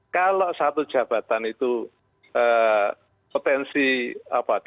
kalau satu jabatan itu potensi dimainkan itu dua ratus juta saja